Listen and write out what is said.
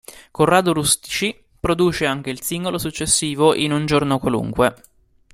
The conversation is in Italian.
Corrado Rustici produce anche il singolo successivo "In un giorno qualunque".